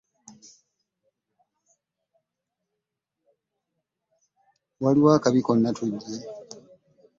Waliwo akabi konna tujje?